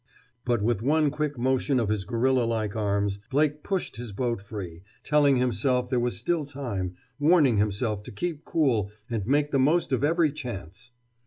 But with one quick motion of his gorilla like arms Blake pushed his boat free, telling himself there was still time, warning himself to keep cool and make the most of every chance.